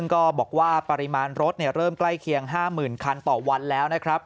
ก็บอกว่าปริมาณรถเริ่มใกล้เคียง๕๐๐๐คันต่อวันแล้วนะครับ